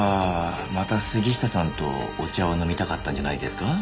また杉下さんとお茶を飲みたかったんじゃないですか？